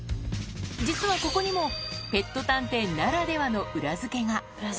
実はここにも、ペット探偵ならではの裏付けが。